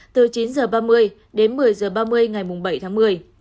từ chín h ba mươi đến một mươi h ba mươi ngày bảy tháng một mươi